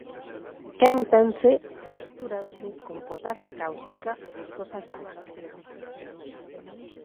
Quéntanse e mestúranse con potasa cáustica ou sosa cáustica.